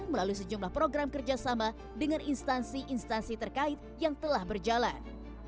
melalui sejumlah program kerjasama dengan instansi instansi terkait yang telah berjalan